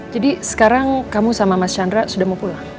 jadi sekarang kamu sama mas chandra sudah mau pulang